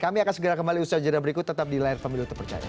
kami akan segera kembali usaha jadwal berikut tetap di lain family untuk percaya